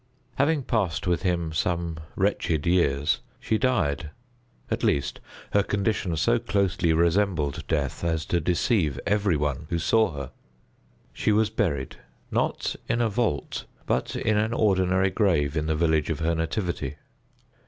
Having passed with him some wretched years, she died—at least her condition so closely resembled death as to deceive every one who saw her. She was buried——not in a vault, but in an ordinary grave in the village of her nativity.